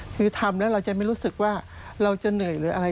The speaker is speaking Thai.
คือทำแล้วเราจะไม่รู้สึกว่าเราจะเหนื่อยหรืออะไร